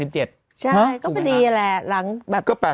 ใช่ก็พอดีแหละหลังแบบก็๘๐